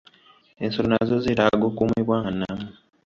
Ensolo nazo zeetaaga okuumibwa nga nnamu.